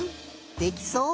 できそう？